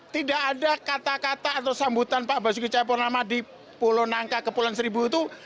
tidak ada kata kata atau sambutan pak basuki cahaya purnama di pulau nangka ke pulau seribu itu